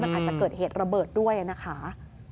มันอาจจะเกิดเหตุระเบิดด้วยนะคะ